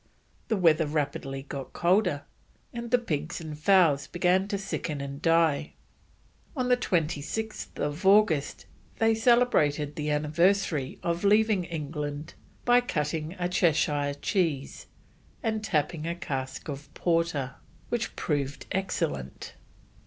The weather rapidly got colder, and the pigs and fowls began to sicken and die. On 26th August they celebrated the anniversary of leaving England by cutting a Cheshire cheese and tapping a cask of porter, which proved excellent.